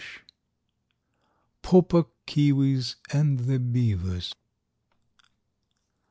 PAU PUK KEEWIS AND THE BEAVERS.